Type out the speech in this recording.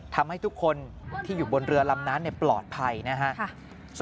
ทำให้ทุกคนที่อยู่บนเรือลำนั้นปลอดภัยนะครับ